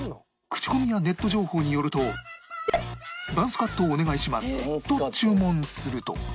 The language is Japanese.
口コミやネット情報によると「ダンスカットお願いします！」と注文すると